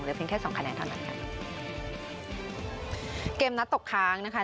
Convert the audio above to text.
เพียงแค่สองคะแนนเท่านั้นค่ะเกมนัดตกค้างนะคะ